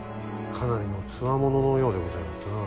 かなりの強者のようでございますな。